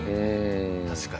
確かに。